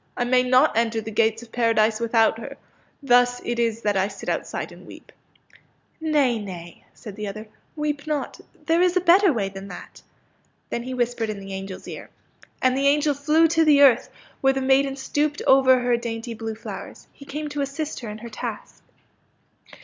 I may not enter the gates of Paradise without her. Thus it is that I sit outside and weep." ^^ Nay, nay," said the other, weep not. There is a better way than that." STORY OF THE FORGET ME NOT 91 Then he whispered in the angel's ear. And the angel flew to the earth where the maiden stooped over her dainty blue flowers. He came to assist her in her task.